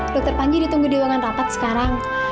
dokter panji ditunggu di ruangan rapat sekarang